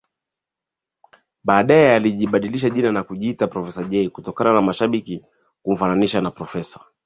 Baadae alibadilisha jina na kujiita profesa Jay kutokana na mashabiki kumfananisha na professa